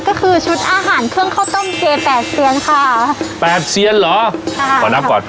ก็คือชุดอาหารเครื่องข้าวต้มเจแปดเซียนค่ะแปดเซียนเหรอค่ะขอนับก่อน